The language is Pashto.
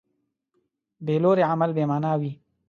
بېلوري عمل بېمانا وي.